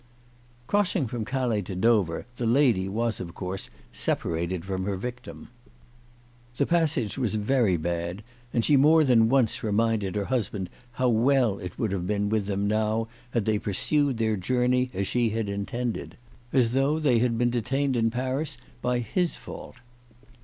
Crossing from Calais to Dover the lady was, of course, separated from her victim. The passage was very bad, and she more than once reminded her husband how well it would have been with them now had they pur sued their journey as she had intended, as though 248 CHRISTMAS AT THOMPSON HALL. they had been detained in Paris by his fault